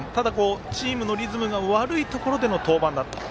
チームのリズムが悪いところでの登板だった。